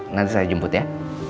nanti saya jemput ya